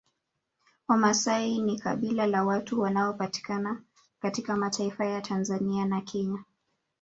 Wamasai ni kabila la watu wanaopatikana katika mataifa ya Tanzania na Kenya